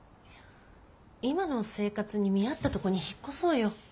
今の生活に見合ったとこに引っ越そうよ。